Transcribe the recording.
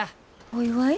お祝い？